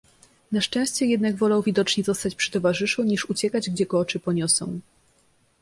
Na szczęście jednak wolał widocznie zostać przy towarzyszu, niż uciekać, gdzie go oczy poniosą.